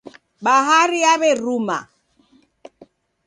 Bahari yaw'eruma.